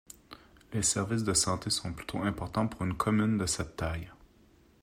Les services de santé sont plutôt importants pour une commune de cette taille.